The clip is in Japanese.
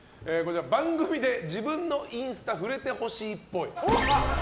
番組で自分のインスタ触れてほしいっぽい。